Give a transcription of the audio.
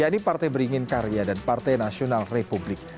yaitu partai beringin karya dan partai nasional republik